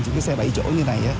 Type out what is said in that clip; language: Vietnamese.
với những cái xe bảy chỗ như này